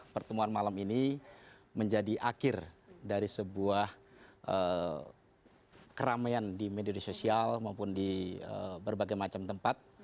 prabowo itu taat kepada hasil iktima ulama